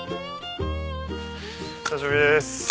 久しぶりです。